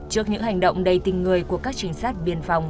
trước những hành động đầy tình người của các trinh sát biên phòng